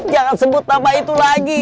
jangan sebut nama itu lagi